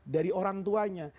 dari orang tuanya